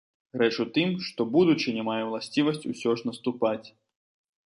Рэч у тым, што будучыня мае ўласцівасць усё ж наступаць.